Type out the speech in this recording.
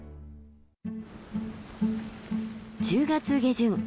１０月下旬。